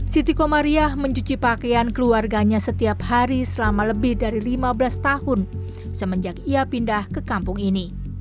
siti komariah mencuci pakaian keluarganya setiap hari selama lebih dari lima belas tahun semenjak ia pindah ke kampung ini